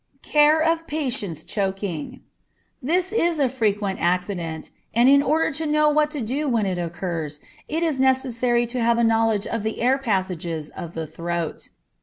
Care of Patients Choking. This is a frequent accident, and in order to know what to do when it occurs, it is necessary to have a knowledge of the air passages of the throat.